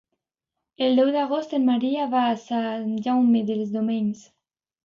El deu d'agost en Maria va a Sant Jaume dels Domenys.